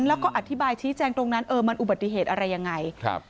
แล้วก็อธิบายชี้แจงตรงนั้นเออมันอุบัติเหตุอะไรยังไงครับ